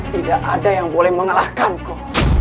tidak ada yang boleh mengalahkanku